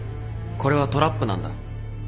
これはトラップなんだ。